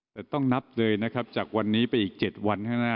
แต่ต้องนับเลยนะครับจากวันนี้ไปอีก๗วันข้างหน้า